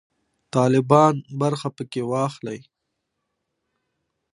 طالبان برخه پکښې واخلي.